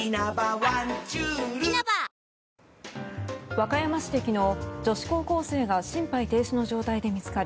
和歌山市で昨日女子高校生が心肺停止の状態で見つかり